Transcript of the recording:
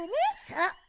そう。